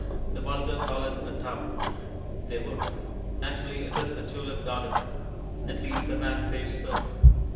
The vulgar call it a tub they would; actually it is the Tulip Garden. At least, the man says so.